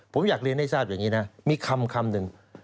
ผมอยากเรียนให้ทราบอย่างนี้นะมีคำหนึ่ง